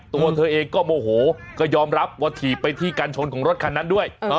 ตัวเธอเองก็โมโหก็ยอมรับว่าถีบไปที่การชนของรถคันนั้นด้วย